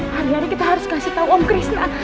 hari hari kita harus kasih tahu om krisna